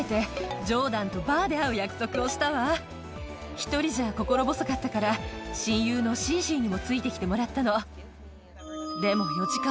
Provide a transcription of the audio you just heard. １人じゃ心細かったから親友のシーシーにもついて来てもらったの。